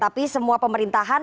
tapi semua pemerintahan